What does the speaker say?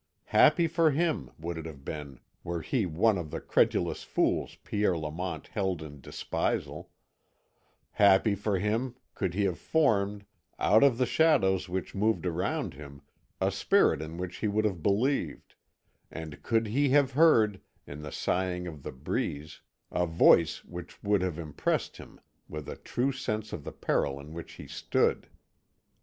Happy for him would it have been were he one of the credulous fools Pierre Lamont held in despisal happy for him could he have formed, out of the shadows which moved around him, a spirit in which he would have believed, and could he have heard, in the sighing of the breeze, a voice which would have impressed him with a true sense of the peril in which he stood.